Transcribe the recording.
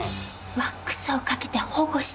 ワックスをかけて保護してるんです！